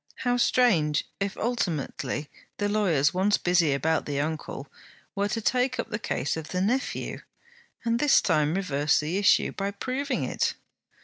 How strange if ultimately the lawyers once busy about the uncle were to take up the case of the nephew, and this time reverse the issue, by proving it!